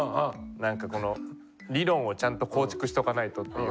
なんかこの理論をちゃんと構築しとかないとっていう。